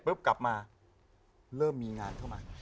กลับมาเริ่มมีงานเข้ามา